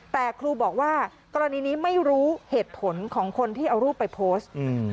แต่ครูบอกว่ากรณีนี้ไม่รู้เหตุผลของคนที่เอารูปไปโพสต์